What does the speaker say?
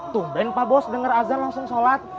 tuh dan pak bos denger azal langsung sholat